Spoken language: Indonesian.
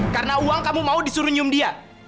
karena uang kamu mau disuruh nyium dia